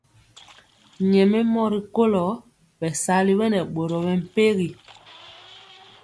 Nyɛmemɔ rikolo bɛsali nɛ boro mɛmpegi.